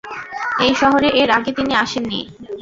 এই শহরে এর আগে তিনি আসেন নি।